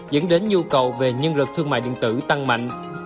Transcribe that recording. dẫn đến nhu cầu về nhân lực thương mại điện tử tăng mạnh